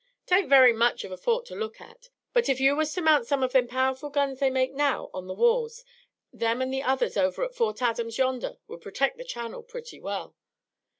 'Tain't very much of a fort to look at; but if you was to mount some of them powerful guns they make now on the walls, them and the others over at Fort Adams yonder would protect the channel pretty well.